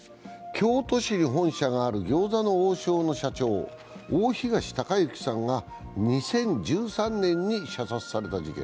京都市に本社がある餃子の王将の社長、大東隆行さんが２０１３年に射殺された事件。